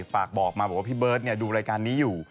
ฝากบอกมาบอกว่าพี่เบิร์ตดูรายการนี้อยู่